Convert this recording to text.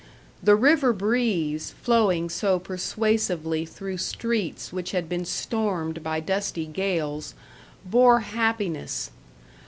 The river breeze, flowing so persuasively through streets which had been stormed by dusty gales, bore happiness.